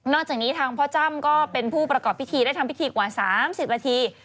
จากนี้ทางพ่อจ้ำก็เป็นผู้ประกอบพิธีได้ทำพิธีกว่า๓๐นาที